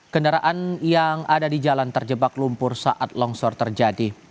kendaraan yang ada di jalan terjebak lumpur saat longsor terjadi